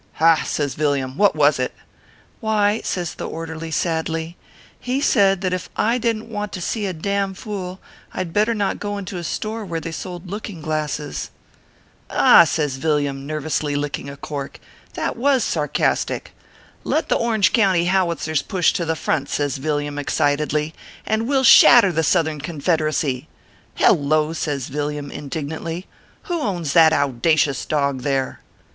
" Ha !" says Villiam, " what was t ?"" Why/ says the Orderly, sadly, " he said that if I didn t want to see a dam fool, I d better not go into a store where they sold looking glasses." "Ah!" says Villiam, nervously licking a cork ;" that was sarcastic. Let the Orange County How itzers push to the front/ says Villiam, excitedly, "and we ll shatter the Southern Confederacy. Hello !" says Villiam, indignantly, "Who owns that owda cious dog there